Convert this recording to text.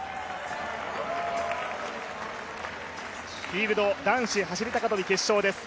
フィールド男子走高跳決勝です。